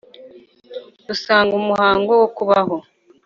dusanga umuhango wo kubaho